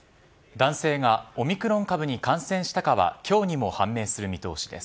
男性がオミクロン株に感染したかは今日にも判明する見通しです。